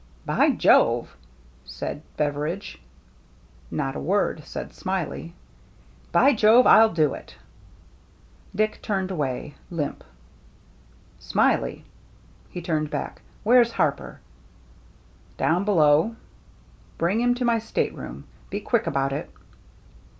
" By Jove !" said Beveridge. Not a word said Smiley. " By Jove ! I'll do it !" Dick turned away, limp. "Smiley!" He turned back. "Where's Harper?" " Down below." " Bring him to my stateroom. Be quick about it.'